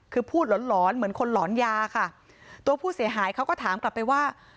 คือพูดหลอนหลอนเหมือนคนหลอนยาค่ะตัวผู้เสียหายเขาก็ถามกลับไปว่า